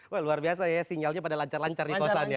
wah luar biasa ya sinyalnya pada lancar lancar nih kosan ya